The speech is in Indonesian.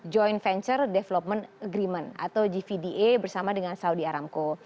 joint venture development agreement atau gvda bersama dengan saudi aramco